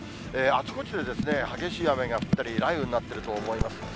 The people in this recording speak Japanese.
あちこちで激しい雨が降ったり、雷雨になっていると思います。